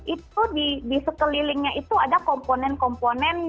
itu di sekelilingnya itu ada komponen komponen